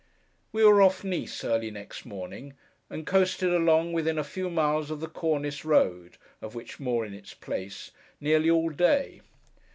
We were off Nice, early next morning, and coasted along, within a few miles of the Cornice road (of which more in its place) nearly all day.